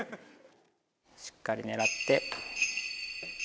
しっかり狙って。